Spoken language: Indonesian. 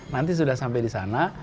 nanti sudah sampai di sana